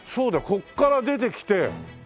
ここから出てきて。